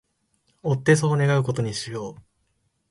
追ってそう願う事にしよう